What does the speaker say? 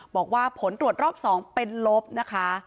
บอกว่าผลตรวจรอบ๒เป็นลบนะคะ